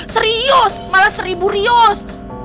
serius malah seribu rios